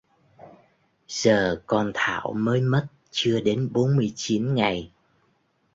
giờ con thảo mới mất chưa đến bốn mươi chín ngày